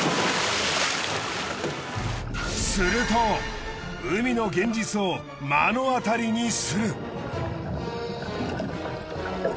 すると海の現実を目の当たりにする。